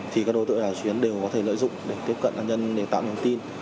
thì các đối tượng đảo trực tuyến đều có thể lợi dụng để tiếp cận nạn nhân để tạo nhận tin